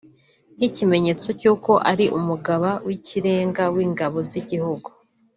nk’ikimenyetso cy’uko ari umugaba w’Ikirenga w’ingabo z’igihugu